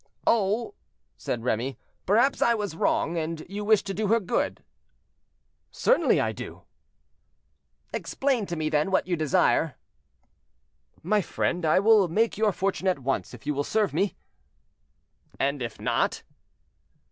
"Oh!" said Remy, "perhaps I was wrong, and you wish to do her good." "Certainly I do." "Explain to me then what you desire." "My friend, I will make your fortune at once, if you will serve me." "And if not?"